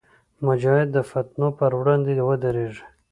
مجاهد د فتنو پر وړاندې ودریږي.